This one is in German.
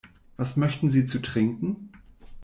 Was möchten Sie zu trinken?